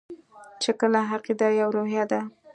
چې کلکه عقیده يوه روحیه ده.